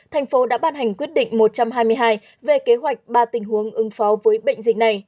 thành phố đã ban hành quyết định một trăm hai mươi hai về kế hoạch ba tình huống ứng phó với bệnh dịch này